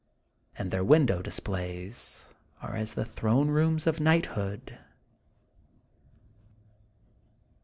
But their window displays are as the throne rooms of knighthood.